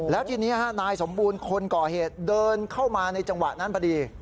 แล้วทีนี้นายสมบูรณ์คนก่อเหตุเดินเข้ามาในจังหวะนั้นพอดี